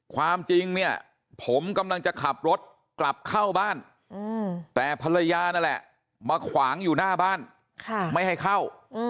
ความจริงเนี่ยผมกำลังจะขับรถกลับเข้าบ้านแต่ภรรยานั่นแหละมาขวางอยู่หน้าบ้านไม่ให้เข้า